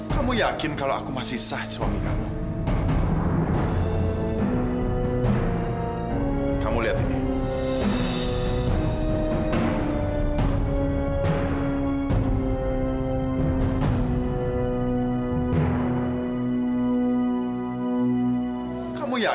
kamu yakin kalau aku masih sah suami kamu